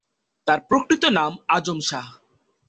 তার প্রকৃত নাম আজম শাহ।